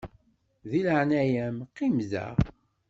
Di leɛnaya-m qqim da.